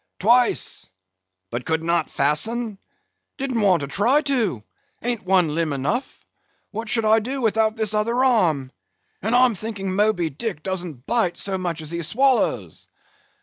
"Twice." "But could not fasten?" "Didn't want to try to: ain't one limb enough? What should I do without this other arm? And I'm thinking Moby Dick doesn't bite so much as he swallows."